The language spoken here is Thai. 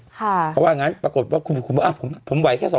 เพราะว่าอย่างงั้นปรากฏว่าคุณบอกว่าผมไหวแค่๒๐๐๐๐